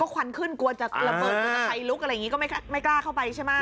ควันขึ้นกลัวจะระเบิดกลัวจะไฟลุกอะไรอย่างนี้ก็ไม่กล้าเข้าไปใช่ไหม